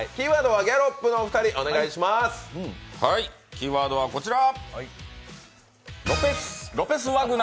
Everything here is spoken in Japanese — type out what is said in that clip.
キーワードはこちら。